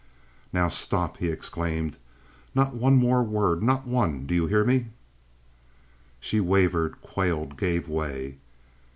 "Now stop!" he exclaimed. "Not one more word! Not one! Do you hear me?" She wavered, quailed, gave way.